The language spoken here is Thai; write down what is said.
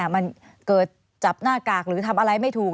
มันเกิดจับหน้ากากหรือทำอะไรไม่ถูก